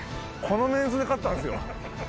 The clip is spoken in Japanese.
このメンツで勝ったんすよ？